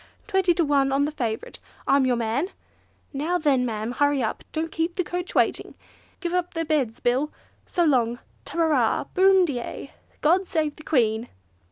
Twenty to one on the favourite! I'm your man! Now then, ma'am; hurry up, don't keep the coach awaiting! Give 'um their 'eds, Bill! So long! Ta ra ra, boom di ay! God save the Queen!"